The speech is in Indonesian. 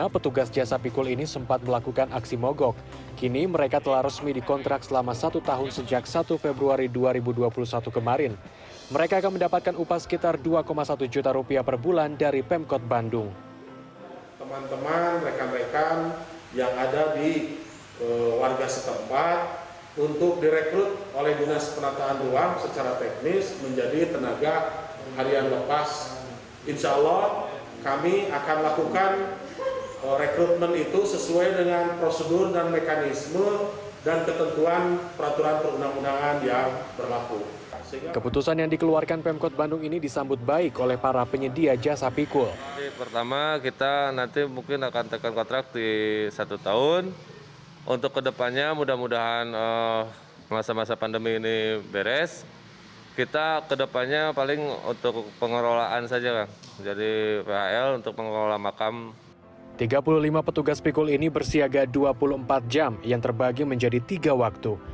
tiga puluh lima petugas pikul ini bersiaga dua puluh empat jam yang terbagi menjadi tiga waktu